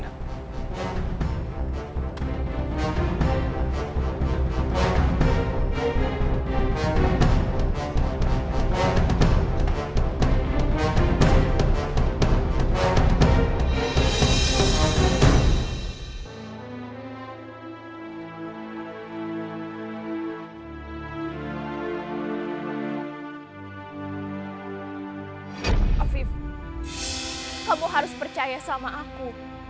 afif kamu harus percaya sama aku